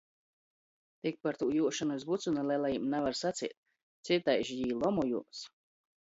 Tik par tū juošonu iz vucyna lelajim navar saceit, cytaiž jī lomojās.